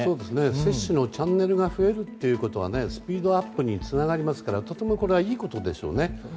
接種のチャンネルが増えることはスピードアップにつながりますからとてもこれはいいことですね。